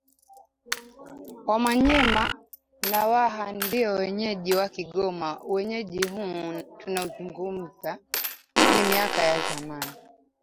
Wamanyema na Waha Ndio wenyeji wa kigoma Uwenyeji huu tunauzungumza ni miaka ya zamani